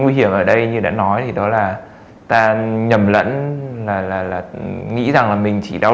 nguy hiểm ở đây như đã nói thì đó là ta nhầm lẫn là nghĩ rằng là mình chỉ đau